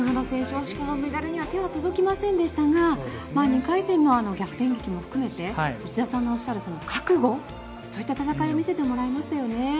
惜しくもメダルには手が届きませんでしたが２回戦の逆転劇も含めて内田さんがおっしゃる覚悟、そういった戦いを見せてもらいましたよね。